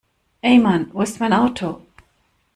Ey Mann wo ist mein Auto?